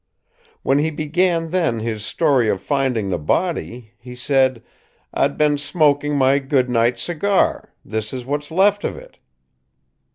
"When he began then his story of finding the body, he said, 'I'd been smoking my good night cigar; this is what's left of it.'